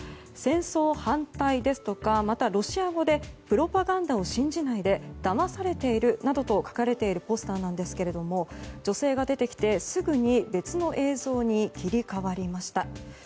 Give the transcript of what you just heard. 「戦争反対」ですとかまた、ロシア語で「プロパガンダを信じないでだまされている」と書かれているポスターなんですが女性が出てきて、すぐに別の映像に切り替わりました。